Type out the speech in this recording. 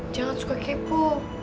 jangan suka kepo